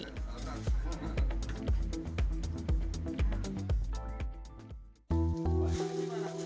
ketika dikumpulkan oleh kakak